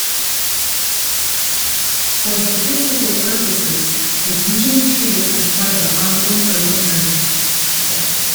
For statistical purposes, it's usually treated as part of the Oslo urban area.